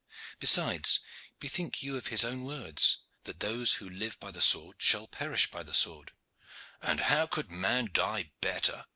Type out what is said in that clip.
Besides, bethink you of His own words that those who live by the sword shall perish by the sword." "And how could man die better?"